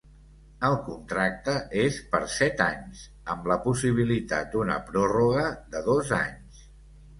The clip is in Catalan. El contracte és per set anys, amb la possibilitat d'una pròrroga de dos anys.